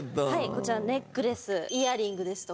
こちらネックレスイヤリングですとか。